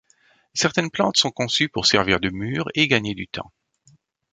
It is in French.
Certaines plantes sont conçues pour servir de mur et gagner du temps.